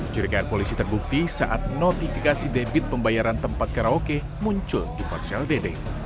curigaan polisi terbukti saat notifikasi debit pembayaran tempat karaoke muncul di ponsel dede